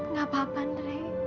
nggak apa apa drei